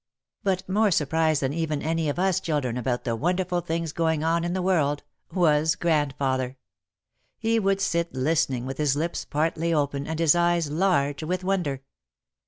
But more surprised even than any of us children about the wonder ful things going on in the world, was grandfather. He would sit listening with his lips partly open and his eyes large with wonder.